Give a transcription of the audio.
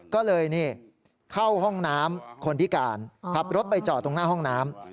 ก็เลยนี่เข้าห้องน้ำคนพิการขับรถไปจอดตรงหน้าห้องน้ำ